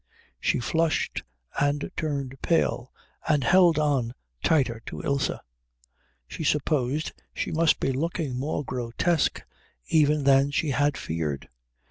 She flushed and turned pale, and held on tighter to Ilse. She supposed she must be looking more grotesque even than she had feared.